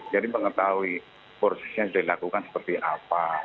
jadi mengetahui prosesnya sudah dilakukan seperti apa